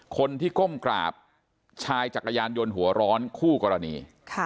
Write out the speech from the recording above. คนที่ก้มกราบชายจักรยานยนต์หัวร้อนคู่กรณี